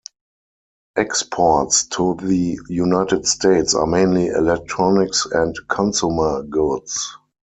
Exports to the United States are mainly electronics and consumer goods.